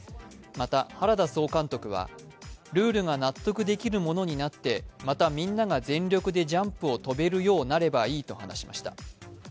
また、原田総監督はルールが納得できるものになってまたみんなが全力でジャンプを飛べるようになればいいと話しました。